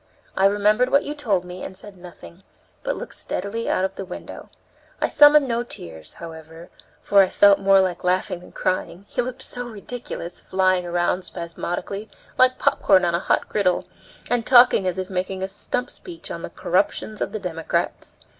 I remembered what you told me and said nothing, but looked steadily out of the window. I summoned no tears, however, for I felt more like laughing than crying; he looked so ridiculous flying round spasmodically, like popcorn on a hot griddle, and talking as if making a stump speech on the corruptions of the Democrats.